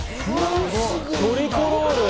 トリコロール！